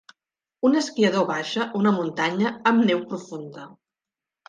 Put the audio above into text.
Un esquiador baixa una muntanya amb neu profunda.